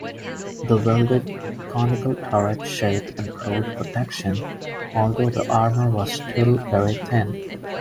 The welded, conical turret shape improved protection, although the armor was still very thin.